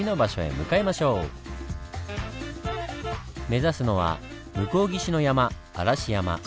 目指すのは向こう岸の山嵐山。